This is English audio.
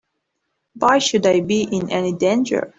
Why should I be in any danger?